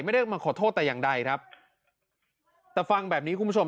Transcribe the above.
ไม่ได้มาขอโทษแต่อย่างใดครับแต่ฟังแบบนี้คุณผู้ชม